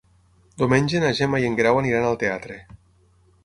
Diumenge na Gemma i en Guerau aniran al teatre.